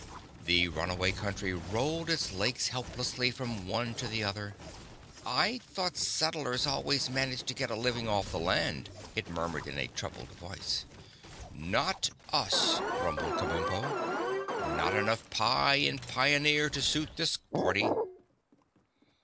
The Runaway Country rolled its lakes helplessly from one to the other. "I thought settlers always managed to get a living off the land," it murmured in a troubled voice. "Not us!" rumbled Kabumpo. "Not enough pie in pioneer to suit this party!"